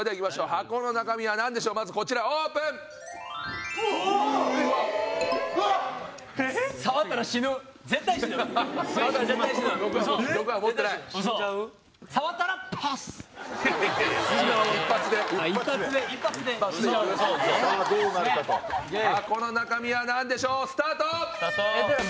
箱の中身はなんでしょう？スタート！